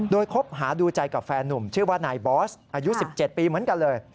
โดยคบหาดูใจกับแฟนนุ่มชื่อว่านายบอสอายุ๑๗ปีเหมือนกันเลย